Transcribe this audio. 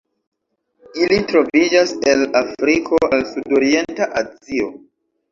Ili troviĝas el Afriko al Sudorienta Azio.